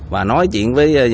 và nói chuyện với